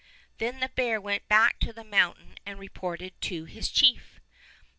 Then the bear went back to the mountain and reported to his chief.